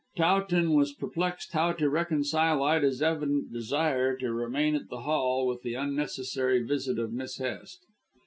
Towton was perplexed how to reconcile Ida's evident desire to remain at the Hall with the unnecessary visit of Miss Hest.